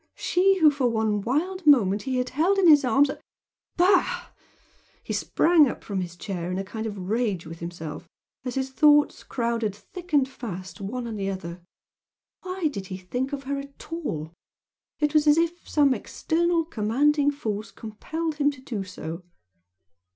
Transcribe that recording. she who for one wild moment he had held in his arms bah! he sprang up from his chair in a kind of rage with himself, as his thoughts crowded thick and fast one on the other why did he think of her at all! It was as if some external commanding force compelled him to do so.